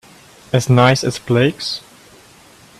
As nice as Blake's?